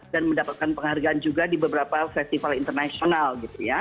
dan mendapatkan penghargaan juga di beberapa festival internasional gitu ya